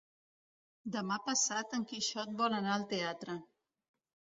Demà passat en Quixot vol anar al teatre.